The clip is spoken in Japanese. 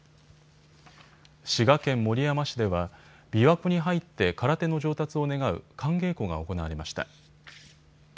滋賀県守山市ではびわ湖に入って空手の上達を願う寒稽古が行われました。